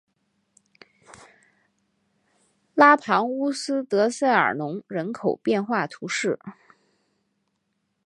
拉庞乌斯德塞尔农人口变化图示